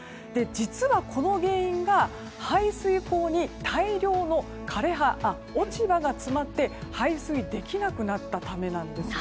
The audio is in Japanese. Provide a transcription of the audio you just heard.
実は、この原因が排水溝に大量の落ち葉が詰まって排水できなくなったためなんです。